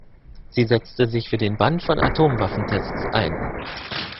Sie setzte sich für den Bann von Atomwaffentests ein.